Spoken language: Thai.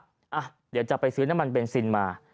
เดี๋ยวจะไปซื้อน้ำมันเบนซินมา